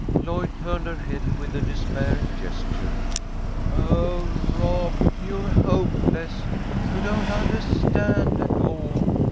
Lloyd turned her head with a despairing gesture. "Oh, Rob, you're hopeless! You don't undahstand at all!